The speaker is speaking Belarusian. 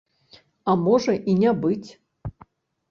А можа і не быць.